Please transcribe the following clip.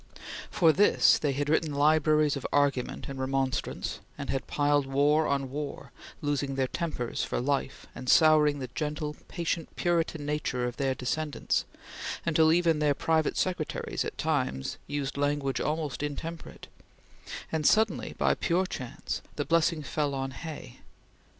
For this they had written libraries of argument and remonstrance, and had piled war on war, losing their tempers for life, and souring the gentle and patient Puritan nature of their descendants, until even their private secretaries at times used language almost intemperate; and suddenly, by pure chance, the blessing fell on Hay.